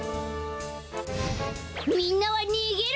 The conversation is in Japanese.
みんなはにげろ！